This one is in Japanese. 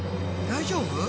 大丈夫？